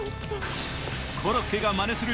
コロッケがまねする